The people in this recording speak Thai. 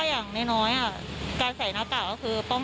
ฟังแล้วก็อาจจะยอมรับเปลี่ยน